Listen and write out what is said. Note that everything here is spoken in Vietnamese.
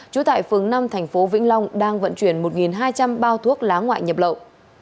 trú tại phường năm thành phố vĩnh long đang vận chuyển một hai trăm linh bao thuốc lá ngoại nhập lậu